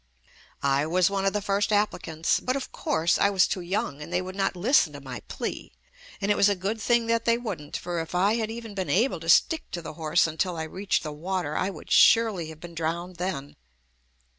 I was one of the first applicants, but of course I was too young and they would not JUST ME listen to my plea, and it was a good thing that they wouldn't, for if I had even been able to stick to the horse until I reached the water I would surely have been drowned then.